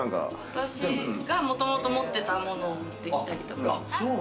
私がもともと持ってたものを持ってきたりとか。